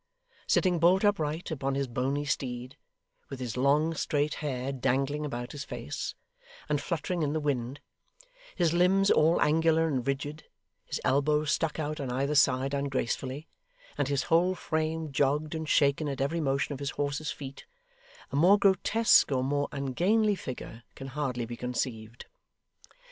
Sitting bolt upright upon his bony steed, with his long, straight hair, dangling about his face and fluttering in the wind; his limbs all angular and rigid, his elbows stuck out on either side ungracefully, and his whole frame jogged and shaken at every motion of his horse's feet; a more grotesque or more ungainly figure can hardly be conceived.